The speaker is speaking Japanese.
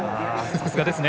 さすがですね。